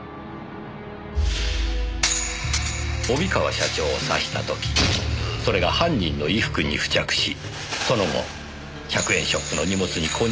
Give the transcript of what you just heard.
帯川社長を刺した時それが犯人の衣服に付着しその後１００円ショップの荷物に混入したのです。